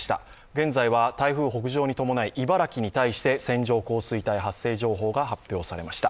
現在は台風北上に伴い茨城に対して線状降水帯発生情報が発表されました。